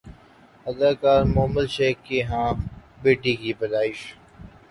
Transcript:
اداکارہ مومل شیخ کے ہاں بیٹی کی پیدائش